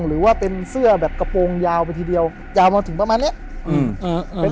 หรือว่าเป็นเสื้อแบบกระโปรงยาวไปทีเดียวยาวมาถึงประมาณเนี้ยอืม